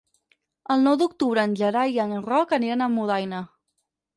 El nou d'octubre en Gerai i en Roc aniran a Almudaina.